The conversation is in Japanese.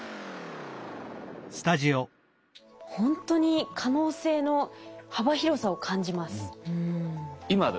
ほんとに可能性の幅広さを感じます。